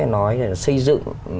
nói xây dựng